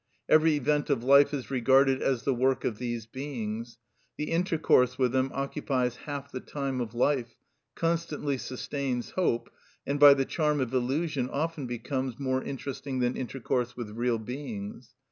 Every event of life is regarded as the work of these beings; the intercourse with them occupies half the time of life, constantly sustains hope, and by the charm of illusion often becomes more interesting than intercourse with real beings.